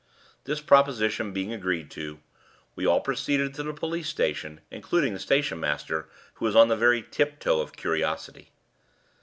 This proposition being agreed to, we all proceeded to the police station, including the station master, who was on the very tiptoe of curiosity.